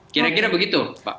kira kira begitu pak